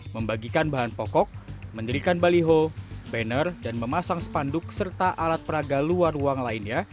membagikan bahan pokok mendirikan baliho banner dan memasang spanduk serta alat peraga luar ruang lainnya